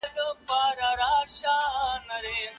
زه هره شپه له لسو ساعتونو زیات نه ویده کېږم.